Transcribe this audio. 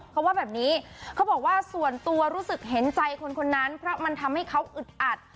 เขาว่าแบบนี้เขาบอกว่าส่วนตัวรู้สึกเห็นใจคนคนนั้นเพราะมันทำให้เขาอึดอัด